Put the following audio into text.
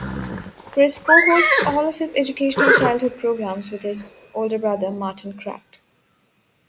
Chris co-hosts all of his educational childhood programs with his older brother Martin Kratt.